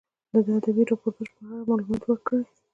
د ادبي راپورتاژ په اړه معلومات ورکړئ.